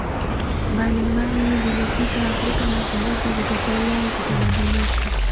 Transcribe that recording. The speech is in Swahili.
mbalimbali zilifika Afrika Mashariki kutoka Ulaya zikabadilishwa